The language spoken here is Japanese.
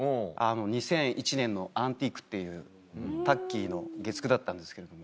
２００１年の『アンティーク』っていうタッキーの月９だったんですけれども。